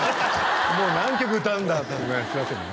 もう何曲歌うんだってねすいませんね